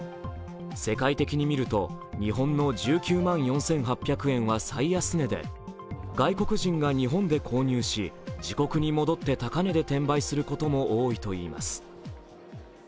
世界的に見ると、日本の１９万４８００円は最安値で外国人が日本で購入し自国に戻って高値で転売することも多いといいます。